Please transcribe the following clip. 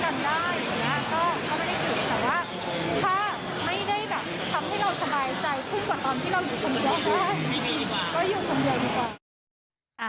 แต่ว่าถ้าไม่ได้ทำให้เราสบายใจขึ้นกว่าตอนที่เราอยู่คนเดียวค่ะก็อยู่คนเดียวดีกว่า